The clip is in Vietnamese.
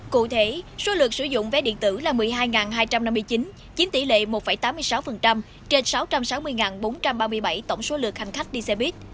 cụ thể số lượt sử dụng vé điện tử là một mươi hai hai trăm năm mươi chín chiếm tỷ lệ một tám mươi sáu trên sáu trăm sáu mươi bốn trăm ba mươi bảy tổng số lượt hành khách đi xe buýt